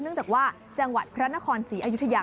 เนื่องจากว่าจังหวัดพระนครศรีอยุธยา